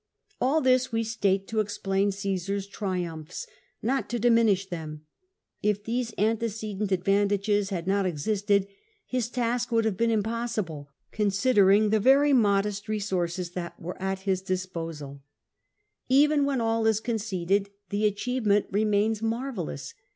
All this we state to <^xx>lain Cmsar's triumphs, not to diminish them. If these antecedent advantages had not existed, his task would have been impossible, considering the very modest resources that were at his disposition. CMSAWS CEUELTY IN GAUL 319 Even when all is conceded, the achievement remains marvellous.